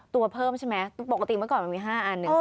เพิ่มใช่ไหมปกติเมื่อก่อนมันมี๕อันหนึ่ง